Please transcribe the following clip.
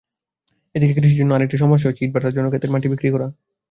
এদিকে কৃষির জন্য আরেকটি সমস্যা হচ্ছে, ইটভাটার জন্য খেতের মাটি বিক্রি করা।